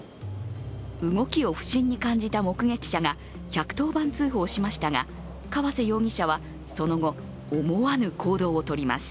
動きを不審に感じた目撃者が１１０番通報しましたが、川瀬容疑者はその後思わぬ行動をとります。